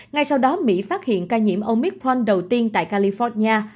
ngay sau đó mỹ phát hiện ca nhiễm omicron đầu tiên tại california